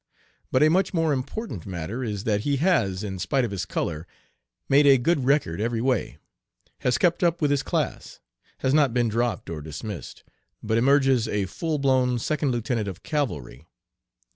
But a much more important matter is that he has, in spite of his color, made a good record every way, has kept up with his class, has not been dropped or dismissed, but emerges a full blown Second Lieutenant of Cavalry.